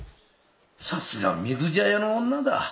さすが水茶屋の女だ。